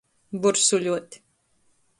Vursuļuot.